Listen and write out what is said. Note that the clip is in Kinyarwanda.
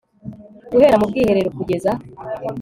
guhera mubwiherero kugeza